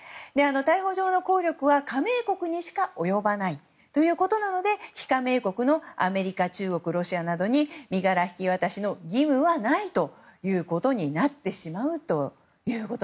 逮捕状の効力は加盟国にしか及ばないということなので非加盟国のアメリカ、中国、ロシアなどに身柄引き渡しの義務はないということになってしまうと。